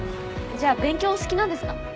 じゃあ勉強お好きなんですか？